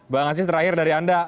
bang aziz terakhir dari anda